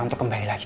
untuk kembali lagi